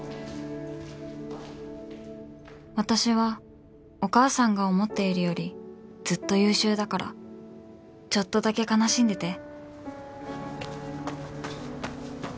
私はお母さんが思っているよりずっと優秀だからちょっとだけ悲しんでて